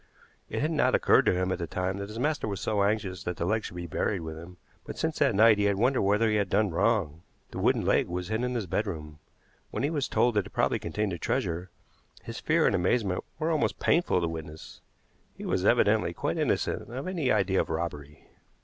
It had not occurred to him at the time that his master was so anxious that the leg should be buried with him, but since that night he had wondered whether he had done wrong. The wooden leg was hidden in his bedroom. When he was told that it probably contained the treasure, his fear and amazement were almost painful to witness. He was evidently quite innocent of any idea of robbery.